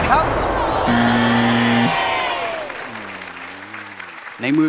ยังเพราะความสำคัญ